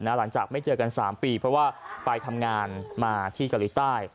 หลังจากไม่เจอกัน๓ปีเพราะว่าไปทำงานมาที่เกาหลีใต้